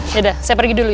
yaudah saya pergi dulu ya